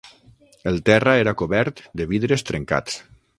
El terra era cobert de vidres trencats